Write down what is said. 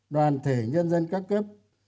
đoàn thể nhân dân các cấp